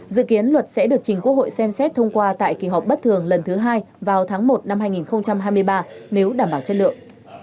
dự kiến luật sẽ được chính quốc hội xem xét thông qua tại kỳ họp bất thường lần thứ hai vào tháng một năm hai nghìn hai mươi ba nếu đảm bảo chất lượng